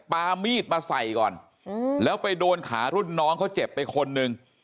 ปามีดมาใส่ก่อนแล้วไปโดนขารุ่นน้องเขาเจ็บไปคนหนึ่ง